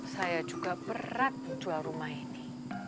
saya juga berat jual rumah ini